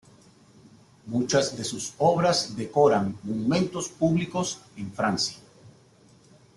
Muchas de sus obras decoran monumentos públicos en Francia.